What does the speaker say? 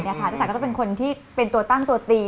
เจ้าสาวก็จะเป็นคนที่เป็นตัวตั้งตัวตี